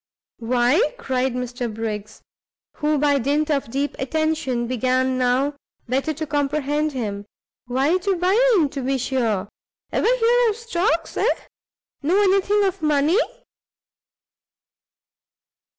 "Why?" cried Mr Briggs, who by dint of deep attention began now better to comprehend him, "why to buy in, to be sure! ever hear of stocks, eh? know any thing of money?"